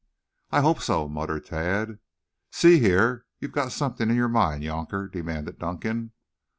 "I hope so," muttered Tad. "See here, you've got something in your mind, younker!" demanded Dunkan.